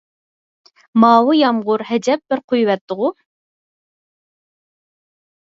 ماۋۇ يامغۇر ئەجەب بىر قۇيۇۋەتتىغۇ!